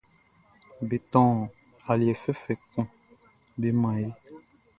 Be tɔn aliɛ fɛfɛ kun be man e.